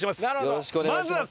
よろしくお願いします。